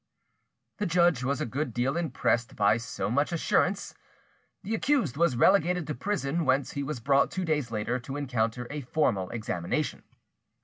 The judge was a good deal impressed by so much assurance. The accused was relegated to prison, whence he was brought two days later to encounter a formal examination.